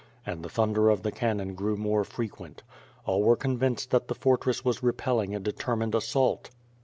And the thunder of the cannon grew more frequent. All were convinced that the fortress was repelling a determined assault.